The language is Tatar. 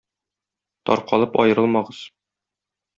Таркалып аерылмагыз!